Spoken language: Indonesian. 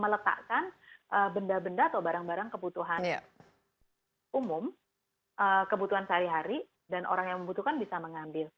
meletakkan benda benda atau barang barang kebutuhan umum kebutuhan sehari hari dan orang yang membutuhkan bisa mengambil